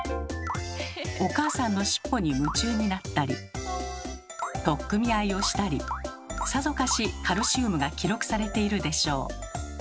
お母さんの尻尾に夢中になったり取っ組み合いをしたりさぞかしカルシウムが記録されているでしょう。